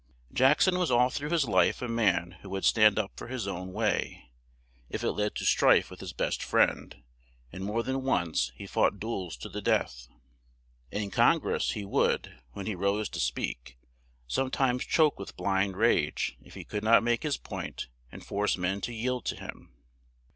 Jack son was all through his life a man who would stand up for his own way, if it led to strife with his best friend, and more than once he fought du els to the death. In Con gress he would, when he rose to speak, some times choke with blind rage if he could not make his point and force men to yield to him.